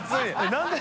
何で？